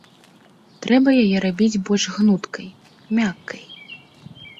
Трэба яе рабіць больш гнуткай, мяккай.